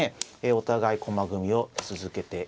お互い駒組みを続けています。